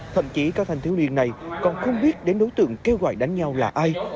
thậm chí các thành thiếu viên này còn không biết đến đối tượng kêu gọi đánh nhau là ai